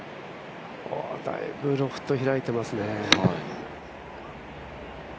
だいぶロフト開いてますね。